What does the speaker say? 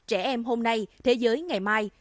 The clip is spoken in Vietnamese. trẻ em hôm nay thế giới ngày mai